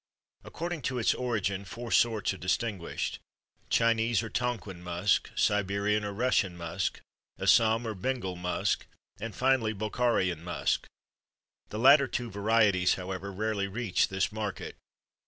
According to its origin four sorts are distinguished: Chinese or Tonquin musk, Siberian or Russian musk, Assam or Bengal musk, and finally Bokharian musk. The latter two varieties, however, rarely reach this market.